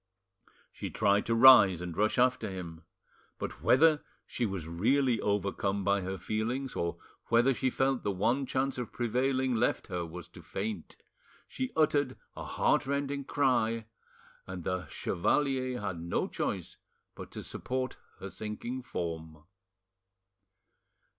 She tried to rise and rush after him, but whether she was really overcome by her feelings, or whether she felt the one chance of prevailing left her was to faint, she uttered a heartrending cry, and the chevalier had no choice but to support her sinking form.